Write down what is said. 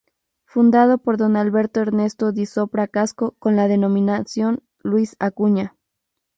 Fundado por don Alberto Ernesto Di Sopra Casco, con la denominación "Luis Acuña".